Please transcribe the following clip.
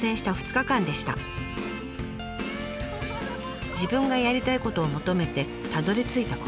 自分がやりたいことを求めてたどりついたこの町。